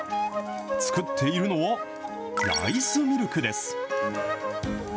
作っているのは、ライスミルクです。